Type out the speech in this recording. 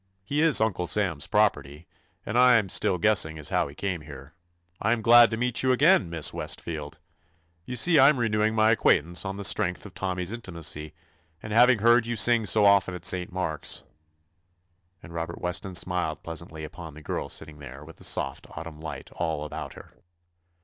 He is Uncle Sam's property. And I 'm still guessing as to how he came here. I am glad to meet you again. Miss Westfield. You see I 'm renewing my acquaintance on the strength of Tommy's intimacy, and having heard you sing so often at St. Mark's" ; and Robert Weston smiled pleasantly upon the girl sitting there with the soft Autumn light all about her.